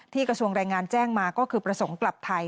กระทรวงแรงงานแจ้งมาก็คือประสงค์กลับไทย